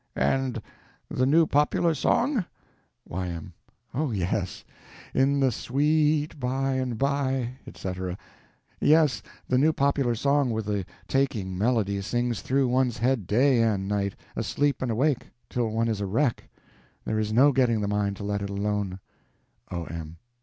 And the new popular song? Y.M. Oh yes! "In the Swee eet By and By"; etc. Yes, the new popular song with the taking melody sings through one's head day and night, asleep and awake, till one is a wreck. There is no getting the mind to let it alone. O.M.